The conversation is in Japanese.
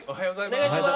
お願いします。